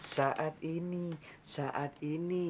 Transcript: saat ini saat ini